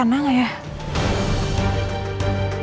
siapa tau aja dia tau papa di mana